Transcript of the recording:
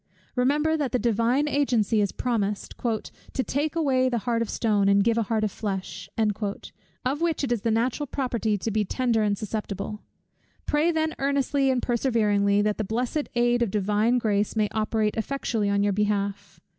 Remember that the Divine Agency is promised, "to take away the heart of stone, and give a heart of flesh," of which it is the natural property to be tender and susceptible. Pray then earnestly and perseveringly, that the blessed aid of Divine Grace may operate effectually on your behalf.